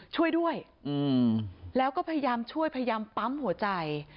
ช่วยด้วยแล้วก็พยายามช่วยพยายามปั๊มหัวใจ